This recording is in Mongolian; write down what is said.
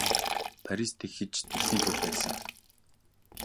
Парис тэгэхэд ч дэлхийн төв байсан.